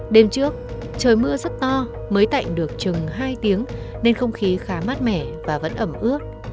đêm trước trời mưa rất to mới tạnh được chừng hai tiếng nên không khí khá mát mẻ và vẫn ẩm ướt